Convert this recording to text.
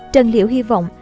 trần liễu hy vọng